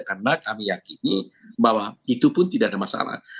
karena kami yakin bahwa itu pun tidak ada masalah